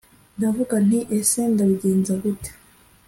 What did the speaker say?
ndavuga nti ese ndabigenza gute